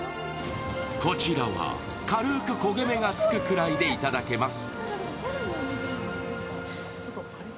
こちらは軽く焦げ目がつくくらいで頂けます。